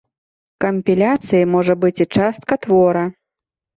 Кампіляцыяй можа быць і частка твора.